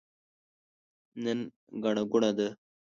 نن ګڼه ګوڼه ده.